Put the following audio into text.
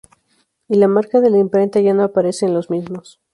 Y la marca de la imprenta ya no aparece en los mismos.